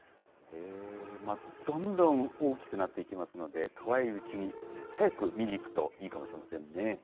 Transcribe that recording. どんどん大きくなっていきますので、かわいいうちに、早く見に行くといいかもしれませんね。